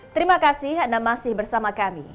terima kasih anda masih bersama kami